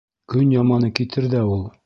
Көн яманы китер ҙә ул...